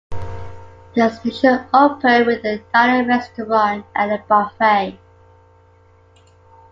The station opened with a dining restaurant and a buffet.